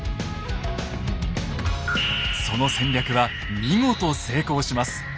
その戦略は見事成功します。